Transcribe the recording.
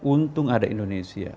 untung ada indonesia